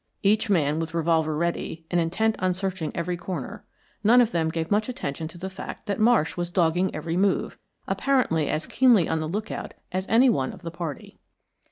Each man with revolver ready, and intent on searching every corner, none of them gave much attention to the fact that Marsh was dogging every move, apparently as keenly on the lookout as any one of the party.